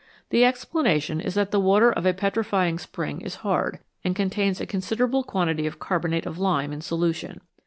The explanation is that the water of a petrifying spring is hard, and contains a con siderable quantity of carbonate of lime in solution.